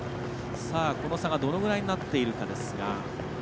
この差が、どのぐらいになっているかですが。